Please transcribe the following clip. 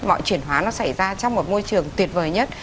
mọi chuyển hóa nó xảy ra trong một môi trường tuyệt vời nhất